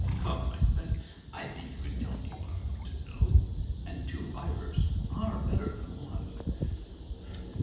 "*" Come," I said. " I think you can tell me what I want to know. And two fivers are better than one."